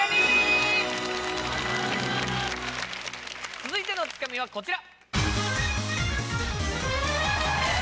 続いてのツカミはこちら。